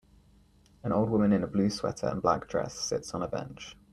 An old woman in a blue sweater and black dress sits on a bench.